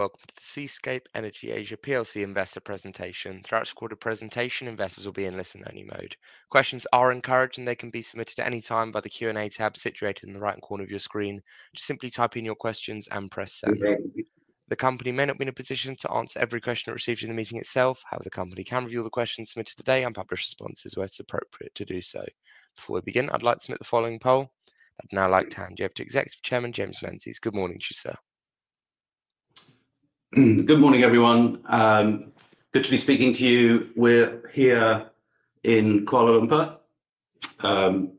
Welcome to the Seascape Energy Asia Plc Investor Presentation. Throughout this quarter presentation, investors will be in listen-only mode. Questions are encouraged, and they can be submitted at any time by the Q&A tab situated in the right corner of your screen. Just simply type in your questions and press send. The company may not be in a position to answer every question received in the meeting itself. However, the company can review the questions submitted today and publish responses where it is appropriate to do so. Before we begin, I'd like to submit the following poll. I'd now like to hand you over to Executive Chairman James Menzies. Good morning to you, sir. Good morning everyone. Good to be speaking to you. We're here in Kuala Lumpur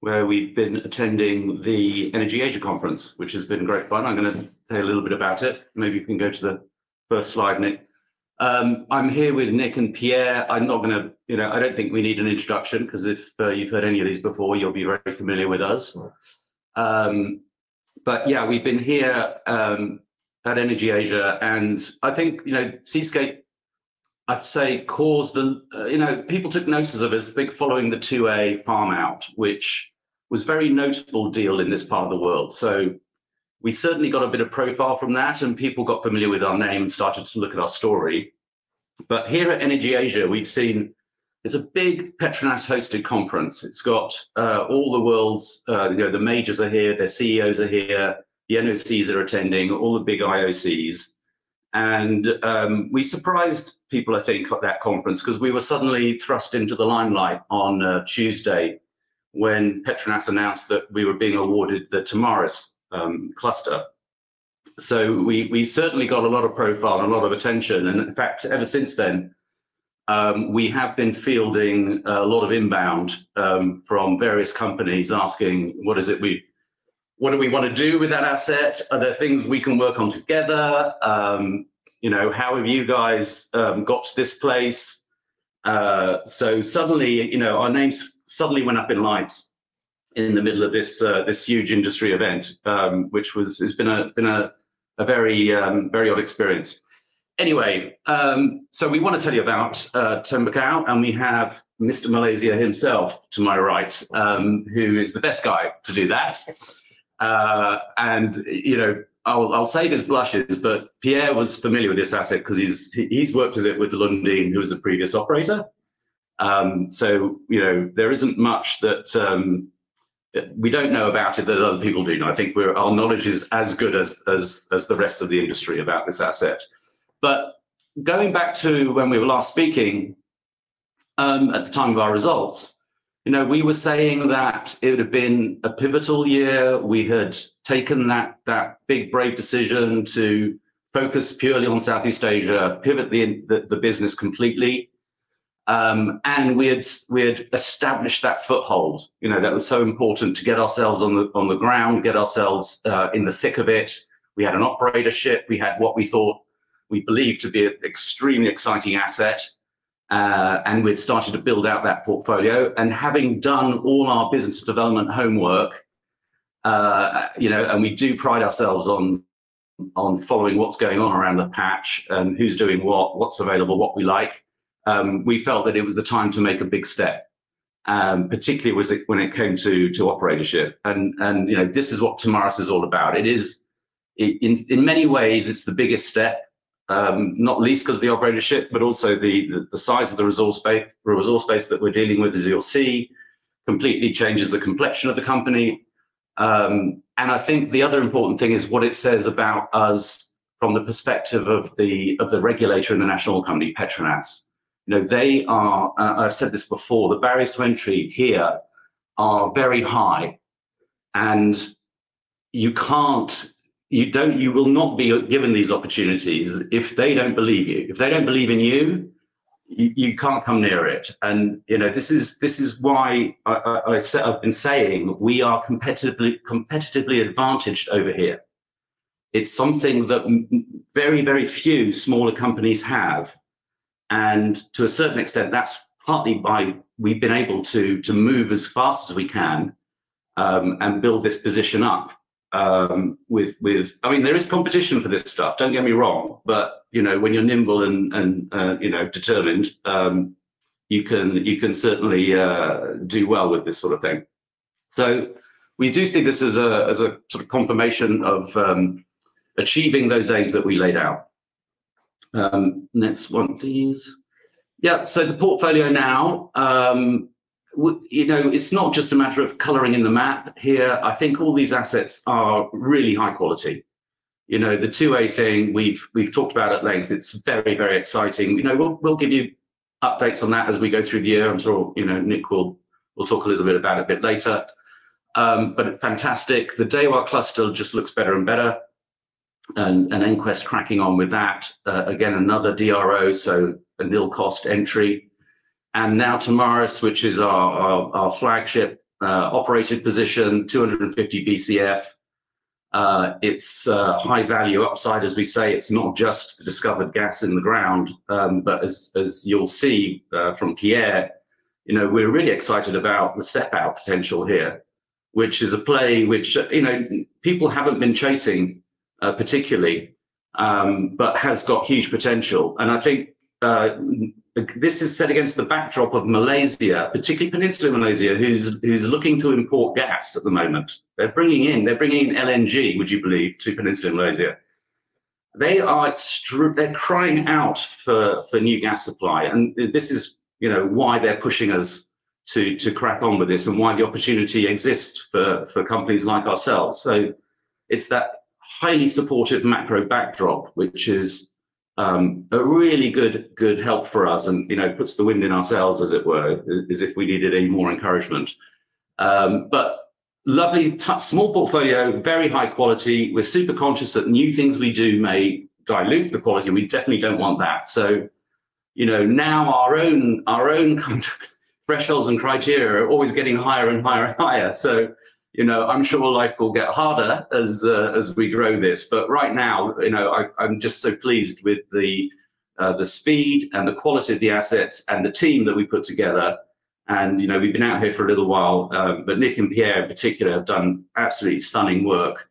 where we've been attending the Energy Asia conference, which has been great fun. I'm going to tell you a little bit about it. Maybe you can go to the first slide, Nick. I'm here with Nick and Pierre. I'm not going to, you know, I don't think we need an introduction because if you've heard any of these before, you'll be very familiar with us. But yeah, we've been here at Energy Asia and I think, you know, Seascape, I'd say, caused, you know, people took notice of us following the 2A farm out, which was a very notable deal in this part of the world. We certainly got a bit of profile from that and people got familiar with our name and started to look at our story. Here at Energy Asia, we have seen it is a big PETRONAS hosted conference. It has got all the world's, you know, the majors are here, their CEOs are here, the NOCs are attending, all the big IOCs. We surprised people, I think, at that conference because we were suddenly thrust into the limelight on Tuesday when PETRONAS announced that we were being awarded the Temaris cluster. We certainly got a lot of profile and a lot of attention, and in fact ever since then we have been fielding a lot of inbound from various companies asking what is it we, what do we want to do with that asset? Are there things we can work on together? How have you guys got to this place? Suddenly our names went up in lights in the middle of this huge industry event, which has been a very odd experience. Anyway, we want to tell you about Tambakau and we have Mr. Malaysia himself to my right. Who is the best guy to do that? You know, I'll save his blushes, but Pierre was familiar with this asset because he's worked with it with Lundin, who was a previous operator. You know, there isn't much that we don't know about it that other people do know. I think our knowledge is as good as the rest of the industry about this asset. Going back to when we were last speaking, at the time of our results, we were saying that it would have been a pivotal year. We had taken that big, brave decision to focus purely on Southeast Asia, pivot the business completely, and we had established that foothold that was so important to get ourselves on the ground, get ourselves in the thick of it. We had an operatorship, we had what we thought we believed to be an extremely exciting asset. We had started to build out that portfolio and having done all our business development homework, and we do pride ourselves on following what's going on around the patch and who's doing what, what's available, what we like, we felt that it was the time to make a big step, particularly when it came to operatorship. This is what tomorrows is all about. In many ways, it's the biggest step, not least because the operatorship, but also the size of the resource base that we're dealing with, as you'll see, completely changes the complexion of the company. I think the other important thing is what it says about us from the perspective of the regulator and the national company. PETRONAS. I've said this before, the barriers to entry here are very high. You can't, you don't, you will not be given these opportunities if they don't believe you. If they don't believe in you, you can't come near it. You know, this is why I've been saying we are competitively advantaged over here. It's something that very, very few smaller companies have. To a certain extent that's partly why we've been able to move as fast as we can and build this position up. I mean, there is competition for this stuff, don't get me wrong. You know, when you're nimble and, you know, determined, you can certainly do well with this sort of thing. We do see this as a sort of confirmation of achieving those aims that we laid out. Next one, please. Yeah, so the portfolio now. You know. It's not just a matter of coloring in the map here. I think all these assets are really high quality. You know, the 2A thing we've talked about at length. It's very, very exciting. You know, we'll give you updates on that as we go through the year. I'm sure, you know, Nick will talk a little bit about it later, but fantastic. The DEWA complex cluster just looks better and better and EnQuest cracking on with that again. Another drill. So nil cost entry. And now Temaris, which is our flagship operated position. 250. It's high value upside as we say, it's not just the discovered gas in the ground but as you'll see from Pierre, you know, we're really excited about the step out potential here, which is a play which, you know, people haven't been chasing particularly, but has got huge potential. I think this is set against the backdrop of Malaysia, particularly Peninsula Malaysia, which is looking to import gas at the moment. They're bringing in, they're bringing LNG, would you believe, to Peninsula Malaysia. They are crying out for new gas supply and this is why they're pushing us to crack on with this and why the opportunity exists for companies like ourselves. It is that highly supportive macro backdrop which is a really good help for us and puts the wind in our sails as it were, as if we needed any more encouragement. Lovely small portfolio, very high quality. We're super conscious that new things we do may dilute the quality and we definitely do not want that. Now our own thresholds and criteria are always getting higher and higher and higher. You know, I'm sure life will get harder as we grow this. Right now, you know, I'm just so pleased with the speed and the quality of the assets and the team that we put together and, you know, we've been out here for a little while, but Nick and Pierre in particular have done absolutely stunning work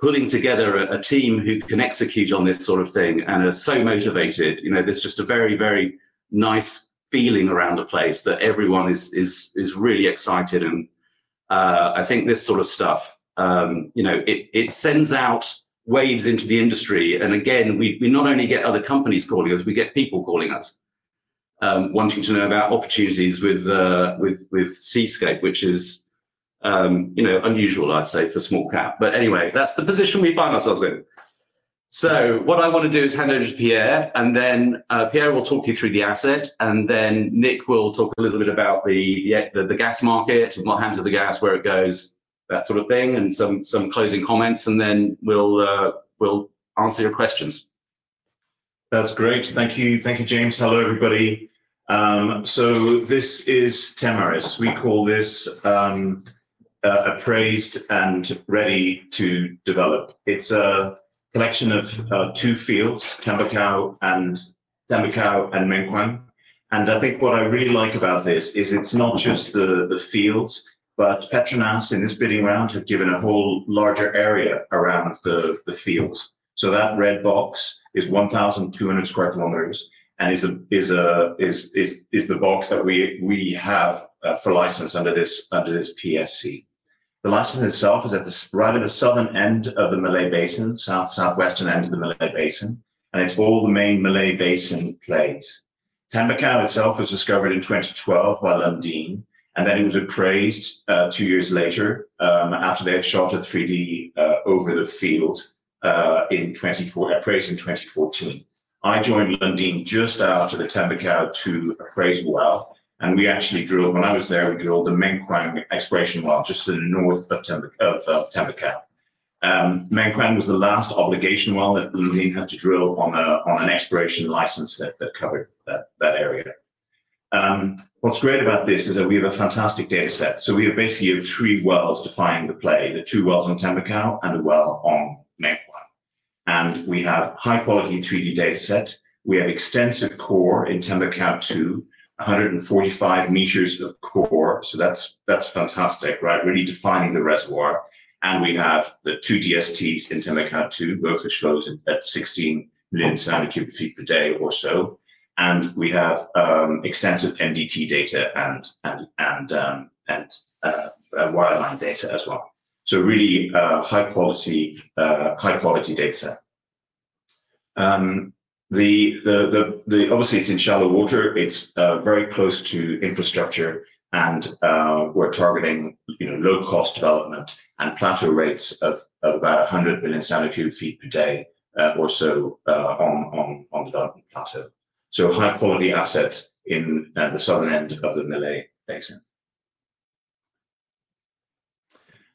putting together a team who can execute on this sort of thing and are so motivated. You know, there's just a very, very nice feeling around a place that everyone is really excited and I think this sort of stuff, you know, it sends out waves into the industry and again we not only get other companies calling us, we get people calling us wanting to know about opportunities with Seascape, which is, you know, unusual I'd say for small cap. Anyway, that's the position we find ourselves in. What I want to do is hand over to Pierre and then Pierre will talk you through the asset and then Nick will, the gas market, what happens with the gas, where it goes, that sort of thing and some closing comments and then we'll answer your questions. That's great, thank you. Thank you. James. Hello everybody. This is Temaris, we call this appraised and ready to develop. It's a collection of two fields, Tambakau and Mengkuang. What I really like about this is it's not just the fields, but PETRONAS in this bidding round have given a whole larger area around the fields. That red box is 1,200 sq km and is the box that we have for license under this PSC. The license itself is right at the southern end of the Malay Basin, southwestern end of the Malay Basin, and it's all the main Malay Basin plays. Tambakau itself was discovered in 2012 by Lundin and then it was appraised two years later after they had shot 3D over the field in 2014. I joined Lundin just after the Tambakau-2 appraisal well and we actually drilled, when I was there, we drilled the Mengkuang exploration well just to the north of Tambakau. Mengkuang was the last obligation well that Lundin had to drill on an exploration license that covered that area. What's great about this is that we have a fantastic data set. We have basically three wells defining the play, the two wells on Tambakau and the well on Mengkuang. We have high quality 3D dataset. We have extensive core in Tambakau-2, 145 meters of core. That's fantastic, right? Really defining the reservoir. We have the two DSTs in Tambakau-2, both of those at 16 million cu ft per day or so. We have extensive MDT data and wireline data as well. Really high quality, high quality data. Obviously it's in shallow water, it's very close to infrastructure and we're targeting low cost development and plateau rates of about 100 billion standard cu ft per day or so on the plateau. High quality assets in the southern end of the Malay Basin.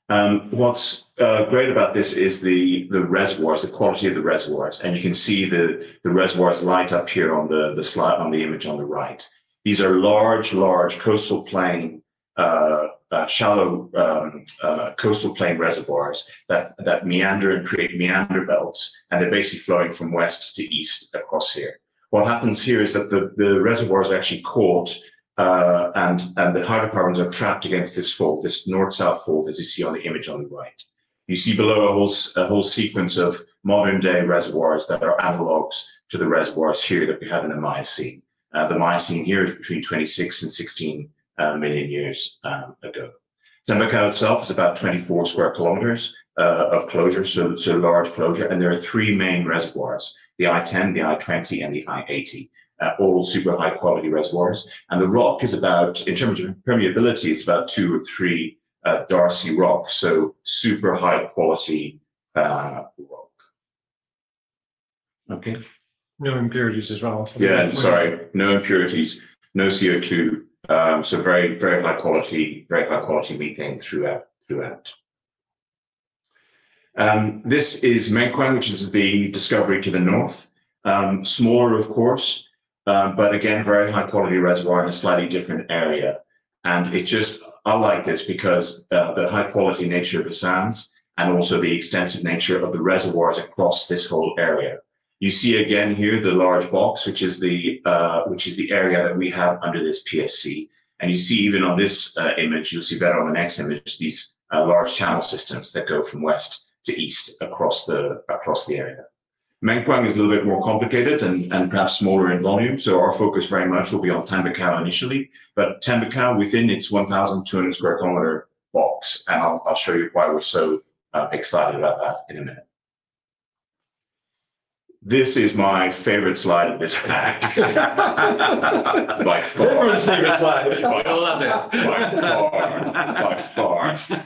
What's great about this is the reservoirs, the quality of the reservoirs. You can see the reservoirs light up here on the slide on the image on the right. These are large, large coastal plain, shallow coastal plain reservoirs that meander and create meander belts. They're basically flowing from west to east across here. What happens here is that the reservoir is actually caught and the hydrocarbons are trapped against this fault, this north south fault, as you see on the image on the right. You see below a whole sequence of modern day reservoirs that are analogs to the reservoirs here that we have in a Miocene. The Miocene here is between 26 and 16 million years ago. Tambakau itself is about 24 sq km of closure. Large closure. There are three main reservoirs, the I10, the I20, and the I80. All super high quality reservoirs. The rock is about, in terms of permeability, about two or three darcy rocks. Super high quality piling up rock. Okay. No impurities as well. Yeah, sorry, no impurities, no CO2. Very, very high quality, very high quality methane throughout, throughout. This is Mengkuang, which is the discovery to the north. Smaller, of course, but again very high quality reservoir in a slightly different area. I like this because the high quality nature of the sands and also the extensive nature of the reservoirs across this whole area. You see again here the large box, which is the area that we have under this PSC. You see even on this image, you'll see better on the next image these large channel systems that go from west to east across the area. Mengkuang is a little bit more complicated and perhaps smaller in volume. Our focus very much will be on Tambakau initially, but Tambakau within its 1,200 sq km box. I'll show you why we're so excited about that in a minute. This is my favorite slide of this pack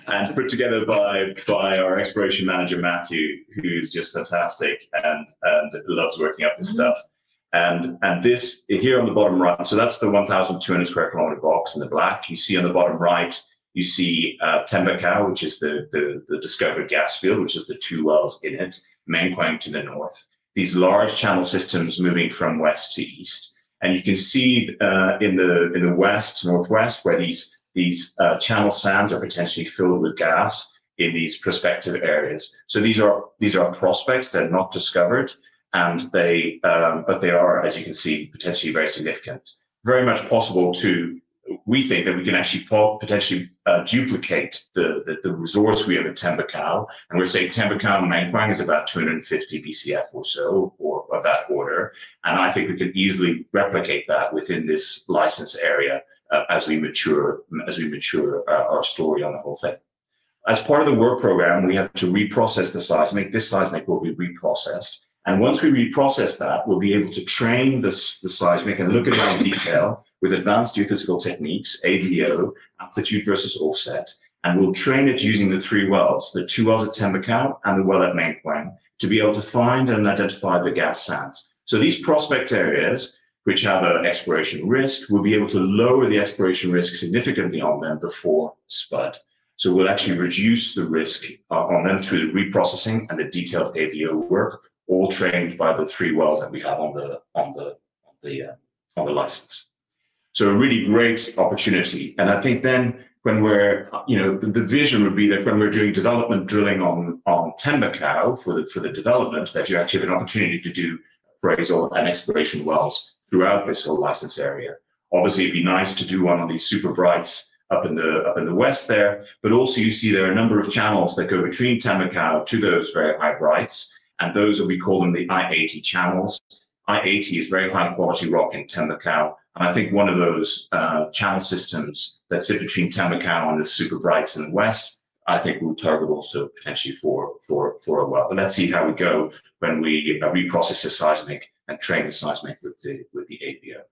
and put together by our exploration manager Matthew, who's just fantastic and loves working up this stuff. This here on the bottom right, that's the 1,200 sq km box. In the black you see on the bottom right you see Tambakau, which is the discovered gas field, which is the two wells in it. Mengkuang to the north, these large channel systems moving from west to east. You can see in the west northwest, where these channel sands are potentially filled with gas in these prospective areas. These are prospects that are not discovered, but they are, as you can see, potentially very significant, very much possible to. We think that we can actually potentially duplicate the resource we have at Tembakau. We're saying Tembakau Mengkuang is about 250 bcf or so, or of that order. I think we can easily replicate that within this license area as we mature, as we mature our story on the whole thing. As part of the work program, we have to reprocess the seismic. This seismic will be reprocessed, and once we reprocess that, we'll be able to train the seismic and look at it in detail with advanced geophysical techniques, AVO, amplitude versus offset. We'll train it using the three wells, the two wells at Tembakau and the well at Mengkuang, to be able to find and identify the gas sands. These prospect areas, which have an exploration risk, will be able to lower the exploration risk significantly on them before spud. We'll actually reduce the risk on them through the reprocessing and the detailed AVO work, all trained by the three wells that we have on the, on the. The. On the license. A really great opportunity. I think then when we're, you know, the vision would be that when we're doing development drilling on Tambakau for the development, you actually have an opportunity to do appraisal and exploration wells throughout this whole license area. Obviously it'd be nice to do one of these super brights up in the west there. Also, you see there are a number of channels that go between Tambakau to those very high brights, and those are, we call them the I80 channels. I80 is very high quality rock in Tambakau. I think one of those channel systems that sit between Tambakau and the super brights in the west, I think we'll target also potentially for a well. Let's see how we go when we reprocess the seismic and train the seismic with the AVO.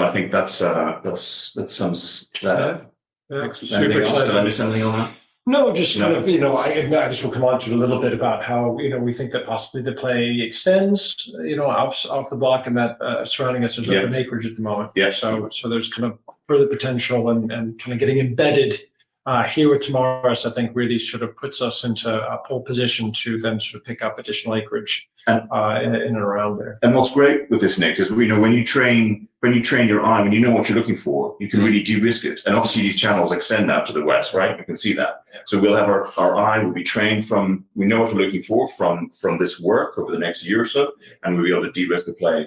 I think that sums that up. Did I miss anything on that? No, just kind of, you know, I just will come on to a little bit about how, you know, we think that possibly the play extends, you know, off the block and that surrounding us is open acreage at the moment. Yes. There's kind of further potential and kind of getting embedded here with tomorrow I think really sort of puts us into a pole position to then sort of pick up additional acreage in and around there. What's great with this, Nick, is, you know, when you train your eye, when you know what you're looking for, you can really de-risk it. Obviously, these channels extend out to the west. Right, you can see that. Our eye will be from—we know what we're looking for from this work over the next year or so, and we'll be able to de-risk the play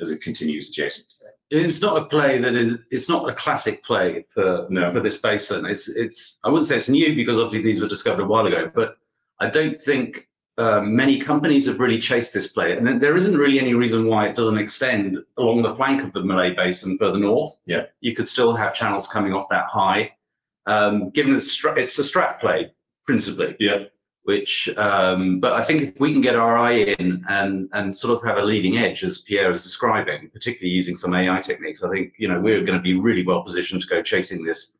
as it continues adjacent. It's not a play that is. It's not a classic play for, for this basin. It's. It's. I wouldn't say it's new because obviously these were discovered a while ago. I don't think many companies have really chased this play and there isn't really any reason why it doesn't extend along the flank of the Malay Basin further north. Yeah, you could still have channels coming off that high given it's a strap play principally. I think if we can get our eye in and sort of have a leading edge as Pierre is describing, particularly using some AI techniques, I think we're going to be really well positioned to go chasing this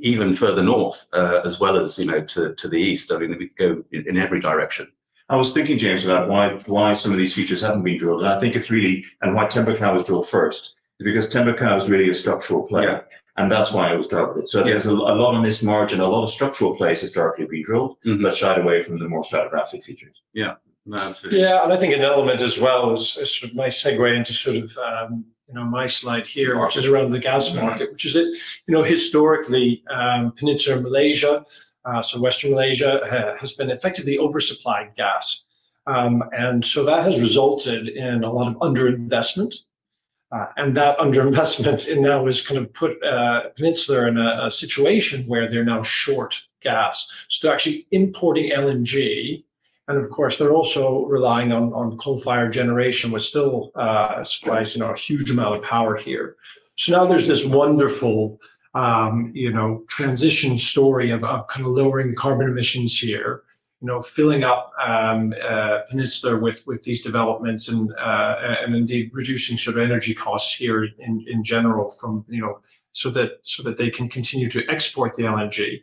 even further north as well as to the east. I mean we could go in every direction. I was thinking, James, about why some of these features haven't been drilled and I think it's really. And why Tambakau was drilled first because Tambakau is really a structural play and that's why it was targeted. There's a lot on this margin, a lot of structural plays historically being drilled, but shied away from the more stratigraphic features. Yeah, yeah. I think an element as well is my segue into sort of, you know, my slide here, which is around the gas market, which is that, you know, historically Peninsula Malaysia, so western Malaysia, has been effectively oversupplied gas and that has resulted in a lot of underinvestment. That underinvestment now has kind of put Peninsula in a situation where they're now short gas. They're actually importing LNG and of course they're also relying on coal-fired generation, which still supplies a huge amount of power here. Now there's this wonderful transition story of kind of lowering carbon emissions here, filling up Peninsula with these developments and indeed reducing sort of energy costs here in general, from, you know, so that they can continue to export the LNG.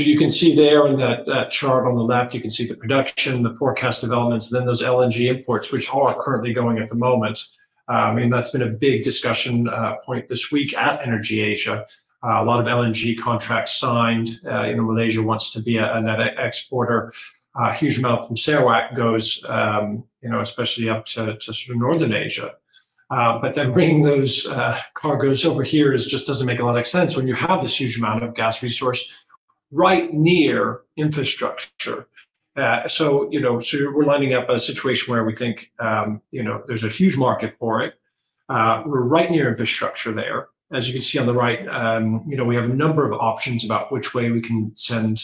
You can see there in that chart on the left, you can see the production, the forecast developments, then those LNG imports which are currently going at the moment. I mean that's been a big discussion point this week at Energy Asia. A lot of LNG contracts signed. You know, Malaysia wants to be a net exporter. A huge amount from Sarawak goes, you know, especially up to Northern Asia. Bringing those cargoes over here just does not make a lot of sense when you have this huge amount of gas resource right near infrastructure. You know, we are lining up a situation where we think, you know, there is a huge market for it. We are right near infrastructure there. As you can see on the right. You know, we have a number of options about which way we can send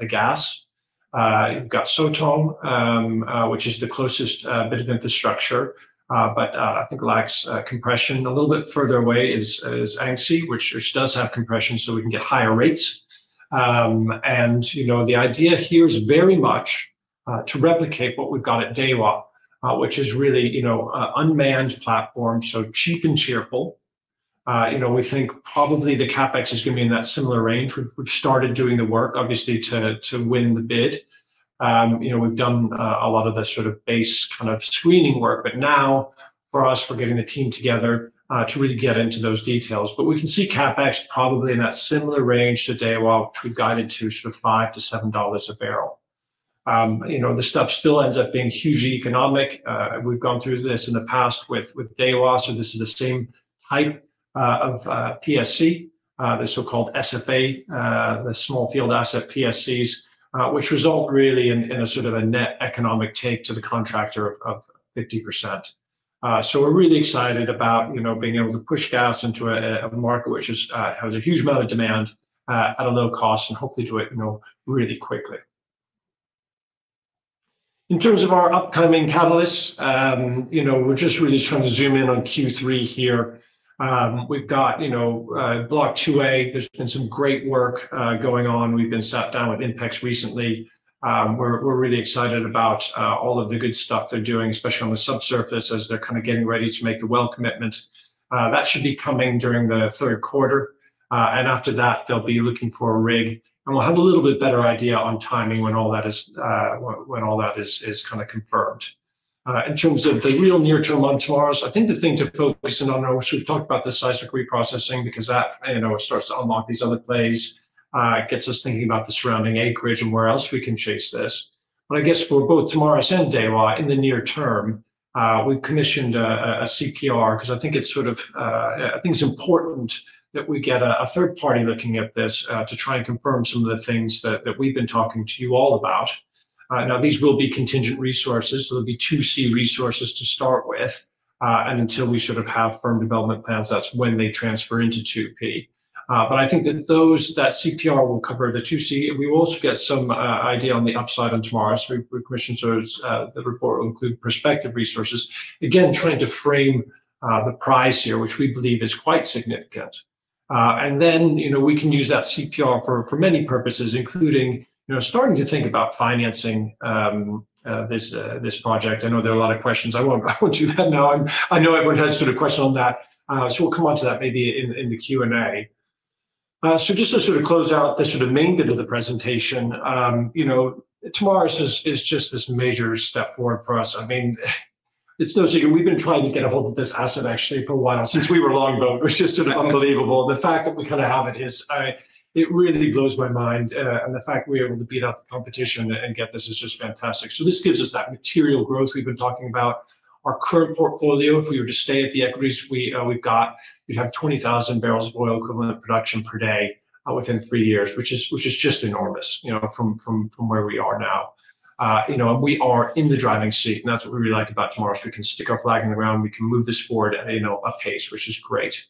the gas. You've got Sotom, which is the closest bit of infrastructure, but I think lacks compression. A little bit further away is Anxi, which does have compression, so we can get higher rates. The idea here is very much to replicate what we've got at DEWA, which is really unmanned platform, so cheap and cheerful. We think probably the CapEx is going to be in that similar range. We've started doing the work obviously to win the bid. You know, we've done a lot of this sort of base kind of screening work. Now for us we're getting the team together to really get into those details. We can see CapEx probably in that similar range to DEWA, which we've guided to sort of $5-$7 a barrel. You know, this stuff still ends up being hugely economic. We've gone through this in the past with DEWA, so this is the same type of PSC, the so-called SFA, the small field asset PSCs which result really in a sort of a net economic take to the contractor of 50%. We are really excited about being able to push gas into a market which has a huge amount of demand at a low cost and hopefully do it really quickly. In terms of our upcoming catalysts, we are just really trying to zoom in on Q3 here. We have got Block 2A, there has been some great work going on. We have been sat down with INPEX recently. We're really excited about all of the good stuff they're doing, especially on the subsurface as they're kind of getting ready to make the well commitment that should be coming during the third quarter and after that they'll be looking for a rig and we'll have a little bit better idea on timing when all that is, when all that is kind of confirmed. In terms of the real near term on tomorrows, I think the thing to focus in on, we've talked about the seismic reprocessing because that starts to unlock these other plays. It gets us thinking about the surrounding acreage and where else we can chase this. I guess for both Temaris and DEWA in the near term we've commissioned a CPR because I think it's sort of, I think it's important that we get a third party looking at this to try and confirm some of the things that we've been talking to you all about. Now these will be contingent resources. There'll be 2C resources to start with. Until we sort of have firm development plans that's when they transfer into 2P. I think that CPR will cover the 2C. We will also get some idea on the upside on Temaris commission. The report will include prospective resources. Again, trying to frame the price here, which we believe is quite significant. You know, we can use that CPR for many purposes, including, you know, starting to think about financing this project. I know there are a lot of questions. I won't do that now. I know everyone has sort of question on that, so we'll come on to that maybe in the Q&A. Just to sort of close out the sort of main bit of the presentation, you know, tomorrow is just this major step forward for us. I mean, it's no secret we've been trying to get a hold of this asset actually for a while, since we were Longboat, which is sort of unbelievable. The fact that we kind of have it is. It really blows my mind. The fact we're able to beat up the competition and get this is just fantastic. This gives us that material growth. We've been talking about our current portfolio. If we were to stay at the equities we've got, we'd have 20,000 barrels of oil equivalent production per day within three years, which is just enormous. From where we are now, we are in the driving seat. That's what we really like about tomorrow is we can stick our flag in the ground, we can move this forward a pace, which is great.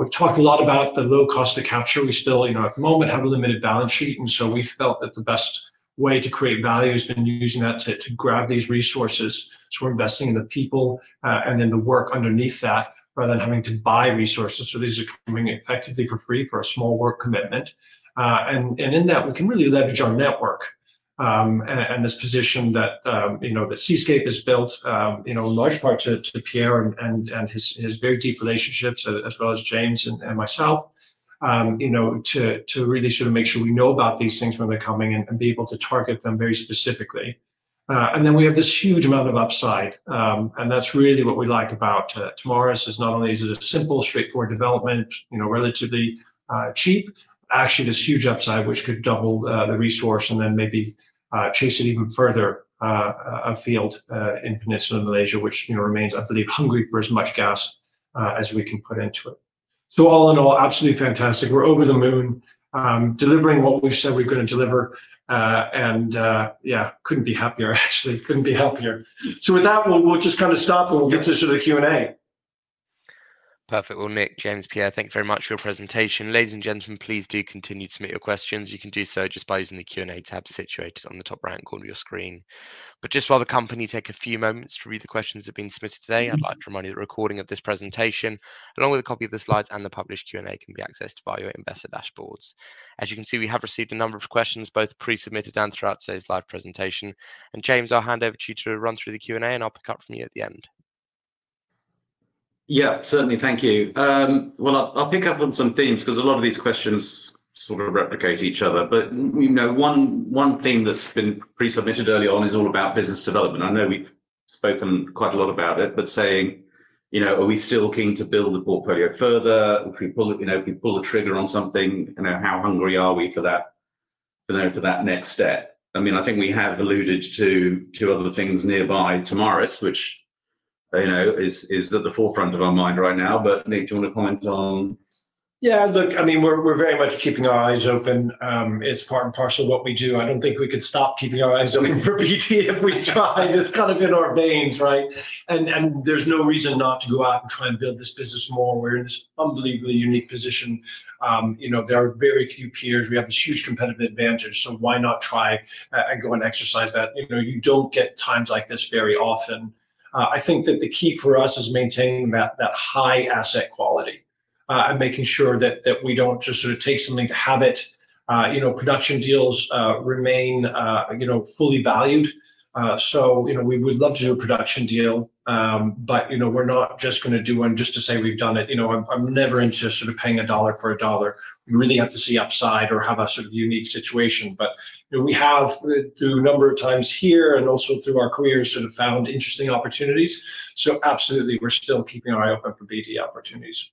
We've talked a lot about the low cost of capture. We still at the moment have a limited balance sheet. We felt that the best way to create value has been using that to grab these resources. We're investing in the people and then the work underneath that, rather than having to buy resources. These are coming effectively for free, for a small work commitment. In that we can really leverage our network. This position that, you know, that Seascape has built, you know, in large part to Pierre and his very deep relationships, as well as James and myself, you know, to really sort of make sure we know about these things when they're coming and be able to target them very specifically. We have this huge amount of upside. That's really what we like about tomorrows is not only is it a simple, straightforward development, you know, relatively cheap, actually, this huge upside which could double the resource and then maybe chase it even further afield in Peninsula Malaysia, which remains, I believe, hungry for as much gas as we can put into it. All in all, absolutely fantastic. We're over the moon, delivering what we said we're going to deliver. Yeah, couldn't be happier, actually. Couldn't be happier. With that we'll just kind of stop and we'll get to the Q&A. Perfect.Nick, James, Pierre, thank you very much for your presentation. Ladies and gentlemen, please do continue to submit your questions. You can do so just by using the Q&A tab situated on the top right hand corner of your screen. Just while the company take a few moments to read the questions that have been submitted today, I'd like to remind you that a recording of this presentation along with a copy of the slides and the published Q&A can be accessed via Investor Dashboards. As you can see, we have received a number of questions, both pre submitted and throughout today's live presentation. James, I'll hand over to you to run through the Q&A and I'll pick up from you at the end. Yeah, certainly. Thank you. I'll pick up on some themes because a lot of these questions sort of replicate each other. One theme that's been pre-submitted early on is all about business development. I know we've spoken quite a lot about it, but saying, are we still keen to build the portfolio further if we pull the trigger on something? How hungry are we for that, for that next step? I mean, I think we have alluded to two other things nearby tomorrow, which is at the forefront of our mind right now. Nick, do you want to comment on. Yeah, look, I mean, we're very much keeping our eyes open. It's part and parcel of what we do. I don't think we could stop keeping our eyes open for BT if we tried. It's kind of in our veins, right. There's no reason not to go out and try and build this business more. We're in this unbelievably unique position. You know, there are very few peers, we have this huge competitive advantage, so why not try? I go and exercise that. You don't get times like this very often. I think that the key for us is maintaining that high asset quality and making sure that we don't just sort of take something to have it. You know, production deals remain, you know, fully valued. You know, we would love to do a production deal, but you know, we're not just going to do one just to say we've done it. You know, I've never insisted on paying a dollar for a dollar, really have to see upside or have a sort of unique situation. But we have, through a number of times here and also through our careers, sort of found interesting opportunities. Absolutely, we're still keeping our eye open for BT opportunities.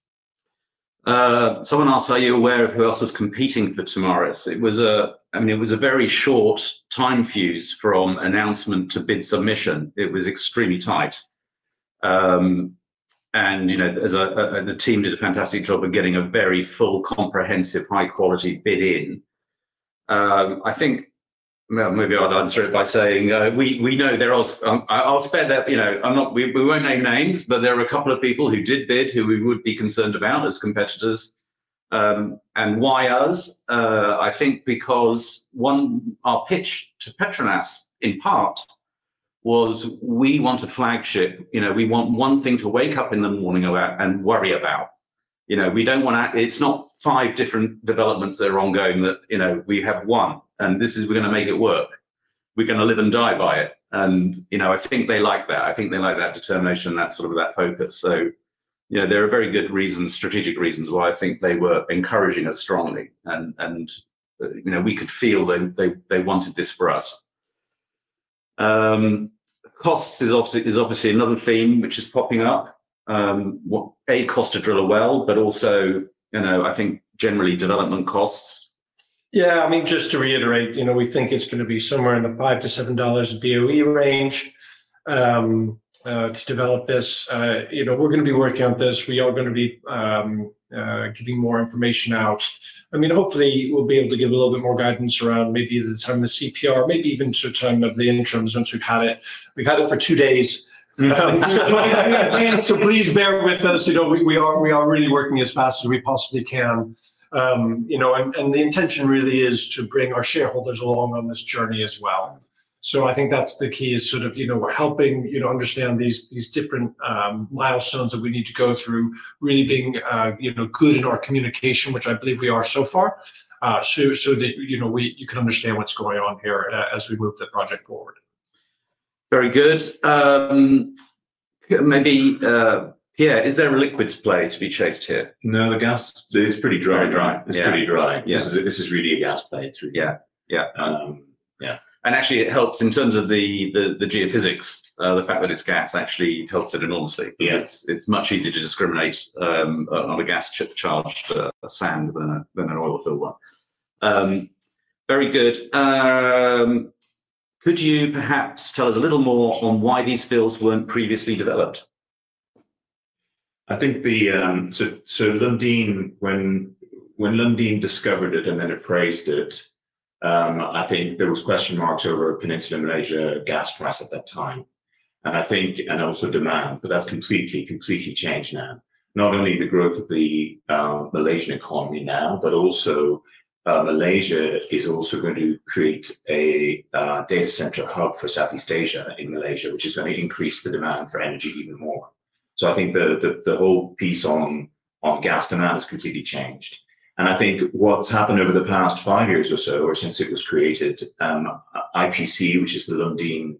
Someone else. Are you aware of who else is competing for tomorrow's? It was a, I mean, it was a very short time fuse from announcement to bid submission. It was extremely tight and, you know, the team did a fantastic job of getting a very full, comprehensive, high quality bid in. I think maybe I'd answer it by saying, we know there are, I'll spare that, you know, I'm not, we won't name names, but there are a couple of people who did bid who we would be concerned about as competitors. Why us? I think because one, our pitch to PETRONAS in part was we want a flagship. You know, we want one thing to wake up in the morning about and worry about, you know, we don't want to, it's not five different developments that are ongoing that, you know, we have one and this is. We're going to make it work. We're going to live and die by it. You know, I think they like that. I think they like that determination, that sort of, that focus. You know, there are very good reasons, strategic reasons, why I think they were encouraging us strongly and, you know, we could feel they wanted this for us. Costs is obviously another theme which is popping up. What a cost to drill a well. Also, you know, I think generally development costs. Yeah. I mean, just to reiterate, you know, we think it's going to be somewhere in the $5-$7 million range to develop this. You know, we're going to be working on this, we are going to be giving more information out. I mean, hopefully we'll be able to give a little bit more guidance around maybe the time the CPR, maybe even to the time of the interims, once we've had it, we've had it for two days. So please bear with us. You know, we are really working as fast as we possibly can, you know, and the intention really is to bring our shareholders along on this journey as well. I think that's the key is sort of, you know, we're helping, you know, understand these different milestones that we need to go through, really being, you know, good in our communication, which I believe we are so far, so that, you know, we, you can understand what's going on here as we move the project forward. Very good. Maybe, yeah. Is there a liquid splay to be chased here? No. The gas, it's pretty dry. It's pretty dry, yes. This is really a gas play? Yeah, yeah. Actually it helps in terms of the geophysics. The fact that it's gas actually helps it enormously. It's much easier to discriminate on a gas charged sand than an oil filled one. Very good. Could you perhaps tell us a little more on why these fields weren't previously developed? I think the. So Lundin, when Lundin discovered it and then appraised it, I think there was question marks over Peninsula Malaysia gas price at that time and I think and also demand, but that's completely, completely changed now. Not only the growth of the Malaysian economy now, but also Malaysia is also going to create a data center hub for Southeast Asia in Malaysia, which is going to increase the demand for energy even more. I think the whole piece on gas demand has completely changed and I think what's happened over the past five years or so or since it was created. IPC, which is the Lundin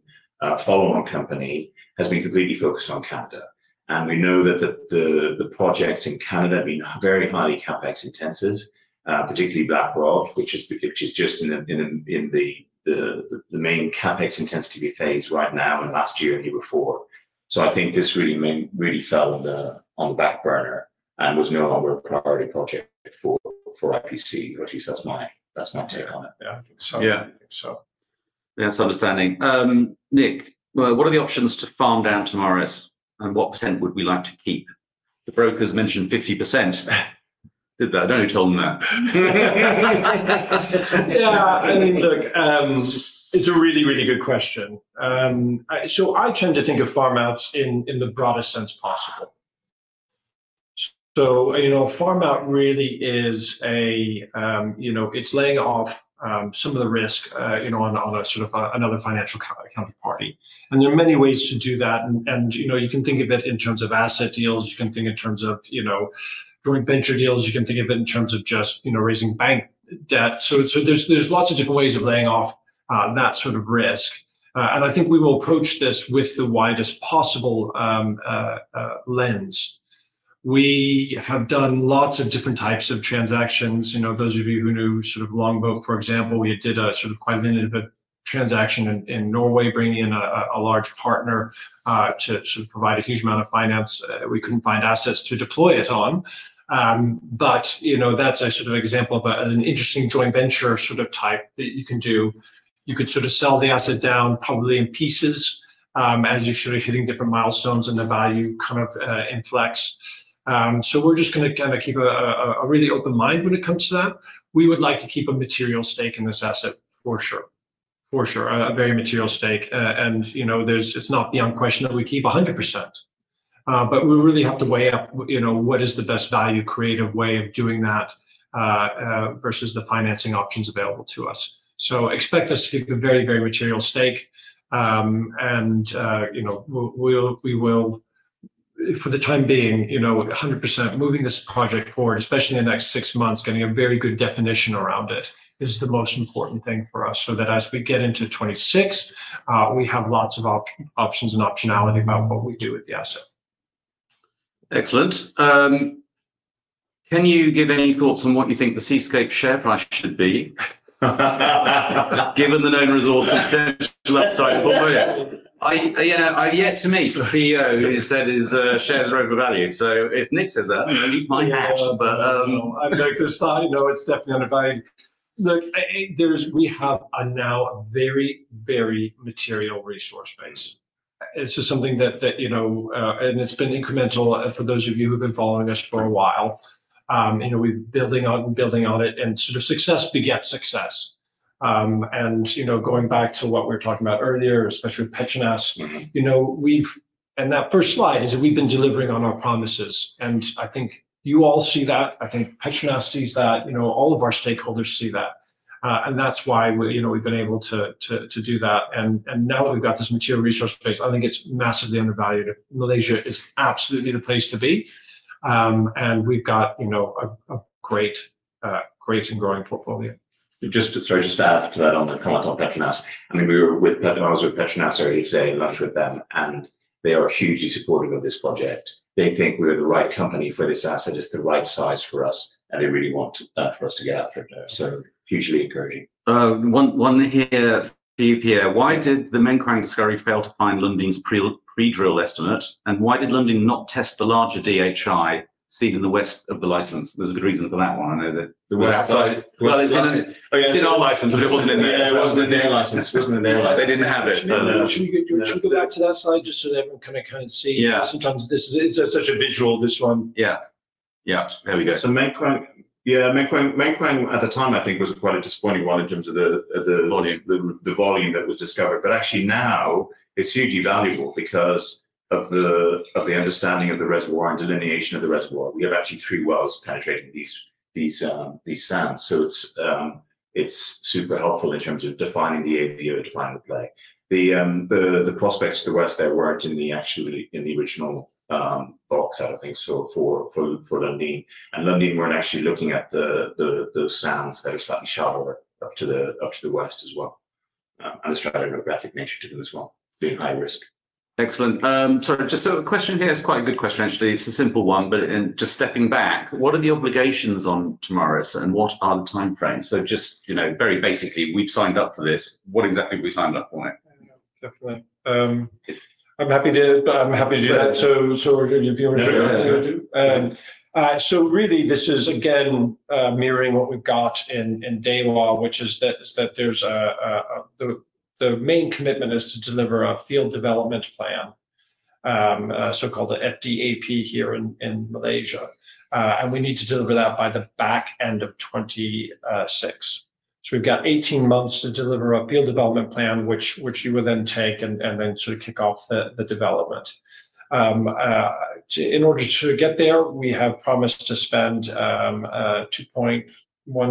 follow-on company, has been completely focused on Canada, and we know that the projects in Canada have been very highly CapEx intensive, particularly BlackRock, which is just in the main CapEx intensity phase right now and last year and year before. I think this really fell on the back burner and was no longer a priority project for IPC. At least that's my take on it. Yeah, that's understanding. Nick, what are the options to farm down tomorrow's and what percent would we like to keep? The brokers mentioned 50% did that. Don't tell them that. Yeah, look it's a really, really good question. I tend to think of farm outs in the broadest sense possible. You know, farm out really is a, you know, it's laying off some of the risk on another financial counterparty and there are many ways to do that. You can think of it in terms of asset deals, you can think in terms of joint venture deals, you can think of it in terms of just raising bank debt. There's lots of different ways of laying off that sort of risk and I think we will approach this with the widest possible lens. We have done lots of different types of transactions. Those of you who knew Longboat, for example, we did quite an interesting transaction in Norway bringing in a large partner to provide a huge amount of finance. We could not find assets to deploy it on. You know, that is a sort of example of an interesting joint venture sort of type that you can do. You could sort of sell the asset down probably in pieces as you are hitting different milestones and the value kind of inflects. We are just going to kind of keep a really open mind when it comes to that. We would like to keep a material stake in this asset. For sure, for sure. A very material stake. You know, it is not beyond question that we keep 100% but we really have to weigh up, you know, what is the best value, creative way of doing that versus the financing options available to us. Expect us to take a very, very material stake and you know we will for the time being, you know, 100% moving this project forward, especially the next six months, getting a very good definition around it is the most important thing for us. That as we get into 2026 we have lots of options and optionality about what we do with the asset. Excellent. Can you give any thoughts on what you think the Seascape share price should be given the known resources, potential upside. I've yet to meet a CEO who said his shares are overvalued. If Nick says that I'm going. To need my hat. I like this thought. No, it's definitely undervalued. Look, we have a now very, very material resource base. It's just something that, you know, and it's been incremental. For those of you who've been following us for a while, you know, we're building on, building on it and sort of success begets success and, you know, going back to what we were talking about earlier, especially with PETRONAS, you know, we've, and that first slide is that we've been delivering on our promises and I think you all see that, I think PETRONAS sees that, you know, all of our stakeholders see that and that's why, you know, we've been able to do that. Now that we've got this material resource base, I think it's massively undervalued. Malaysia is absolutely the place to be and we've got, you know, a great, great and growing portfolio. Just, sorry, just to add to that on the comment on PETRONAS. I mean, we were with PETRONAS, or you say lunch with them, and they are hugely supportive of this project. They think we're the right company for this asset, it's the right size for us, and they really want for us to get out for it. So, hugely encouraging. One here, Steve here. Why did the Mengkuang discovery fail to find Lundin's pre-drill estimate? And why did Lundin not test the larger DHI seen in the west of the license? There's a good reason for that. I know that it's an old license, but it wasn't in there. Yeah, it wasn't in their license. Wasn't in their license. They didn't have it to that side. Just so that everyone can kind of see. Yeah, sometimes this is such a visual, this one. Yeah, yeah, there we go. Yeah, Mengkuang at the time I think was quite a disappointing one in terms of the volume, the volume that was discovered. Actually now it's hugely valuable because of the understanding of the reservoir and delineation of the reservoir. We have three wells penetrating these sands. It's super helpful in terms of defining the AVO, define the play. The prospects to the west there weren't actually in the original box out of things for Lundin, and Lundin weren't actually looking at the sands that are slightly shallower up to the west as well, and the stratigraphic nature to do as well being high risk. Excellent. Just a question here. It is quite a good question actually. It's a simple one, but just stepping back, what are the obligations on tomorrow and what are the time frames? Just very basically, we've signed up for this. What exactly have we signed up for? Definitely. I'm happy to, I'm happy to do that. Really, this is again mirroring what we've got in Delaware, which is that there's the main commitment to deliver a field development plan, so called the FDAP here in Malaysia. We need to deliver that by the back end of 2026. We've got 18 months to deliver a field development plan, which you would then take and then sort of kick off the development. In order to get there, we have promised to spend $2.1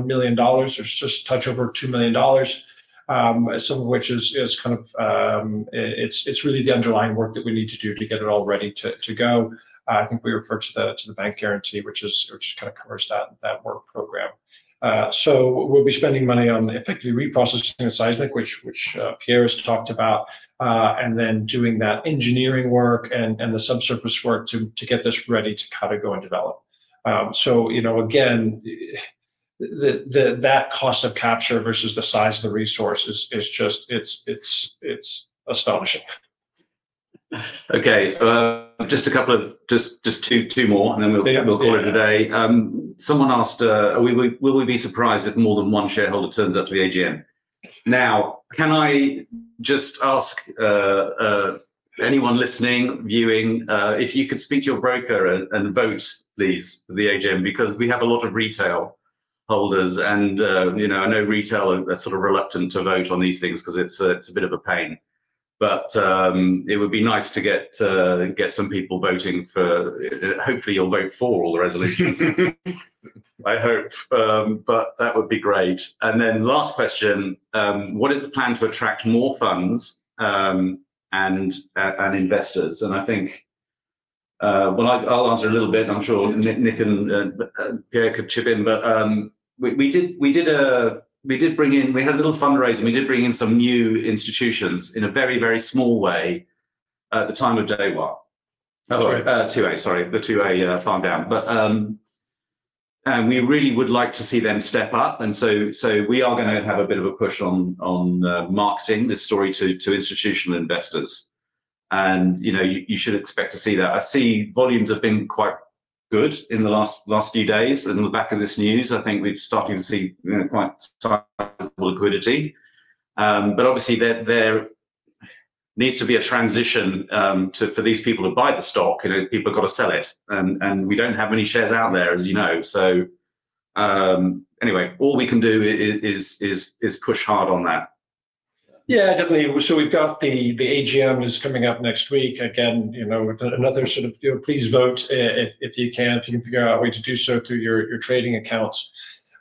million. There's just a touch over $2 million, some of which is kind of, it's really the underlying work that we need to do to get it all ready to go. I think we refer to the bank guarantee, which kind of covers that work program. We'll be spending money on effectively reprocessing the seismic, which Pierre has talked about, and then doing that engineering work and the subsurface work to get this ready to kind of go and develop. You know, again, that cost of capture versus the size of the resources is just, it's astonishing. Okay, just a couple of, just two more and then we'll call it a day. Someone asked will we be surprised if a shareholder turns up to the AGM. Now, can I just ask anyone listening or viewing if you could speak to your broker and vote please, the AGM, because we have a lot of retail holders and, you know, I know retail are sort of reluctant to vote on these things because it's a bit of a pain. It would be nice to get some people voting for. Hopefully you'll vote for all the resolutions, I hope, that would be great. Last question. What is the plan to attract more funds and investors? I think I'll answer a little bit. I'm sure Nick and Pierre could chip in. We did bring in, we had a little fundraising. We did bring in some new institutions in a very, very small way at the time of day one, sorry, the 2A farm down. We really would like to see them step up. We are going to have a bit of a push on marketing this story to institutional investors and you know, you should expect to see that. I see volumes have been quite good in the last few days. In the back of this news, I think we're starting to see quite some liquidity but obviously there needs to be a transition for these people to buy the stock. You know, people got to sell it and we do not have many shares out there as you know. All we can do is push hard on that. Yeah, definitely. We've got the AGM coming up next week again, you know, another sort of, please vote if you can, if you can figure out a way to do so through your trading accounts.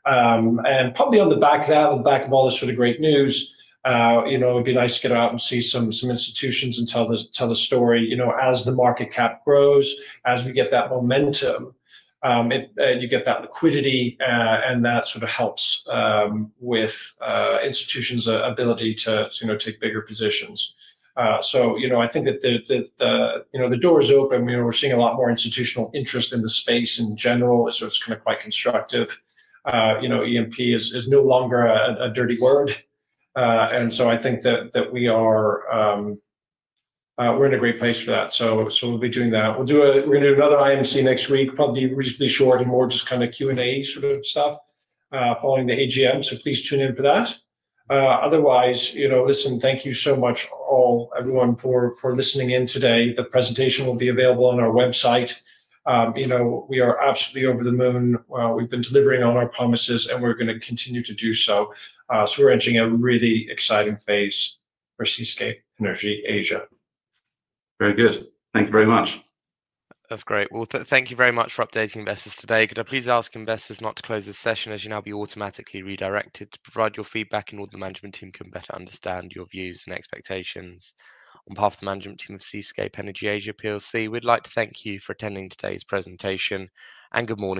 Probably on the back of that, on the back of all this sort of great news, you know, it'd be nice to get out and see some institutions and tell the story. You know, as the market cap grows, as we get that momentum, you get that liquidity and that sort of helps with institutions' ability to, you know, take bigger positions. I think that the, you know, the door is open. We're seeing a lot more institutional interest in the space in general. It's kind of quite constructive. You know, EMP is no longer a dirty word. I think that we are, we're in a great place for that. We'll be doing that. We'll do a, we're going to do another IMC next week, probably reasonably short and more just kind of Q&A sort of stuff following the AGM. Please tune in for that. Otherwise, you know, listen. Thank you so much, all, everyone, for listening in. Today the presentation will be available on our website. You know, we are absolutely over the moon. We've been delivering on our promises and we're going to continue to do so. We're entering a really exciting phase for Seascape Energy Asia. Very good. Thank you very much. That's great. Thank you very much for updating investors today. Could I please ask investors not to close this session, as you will now be automatically redirected to provide your feedback so the management team can better understand your views and expectations. On behalf of the management team of Seascape Energy Asia, we'd like to thank you for attending today's presentation and good morning.